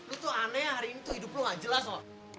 itu aneh ya hari ini tuh hidup lo gak jelas loh